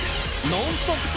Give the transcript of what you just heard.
ノンストップ！